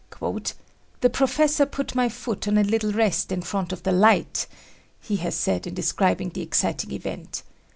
"The pro fessor put my foot on a little rest in front of the light," he has said in describing the exciting event.